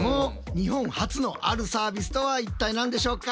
日本初のあるサービスとは一体何でしょうか？